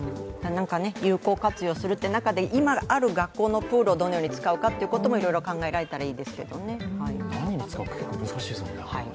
有効活用するって中で今ある学校のプールをどのように使うかということもいろいろ考えられたらいいですね。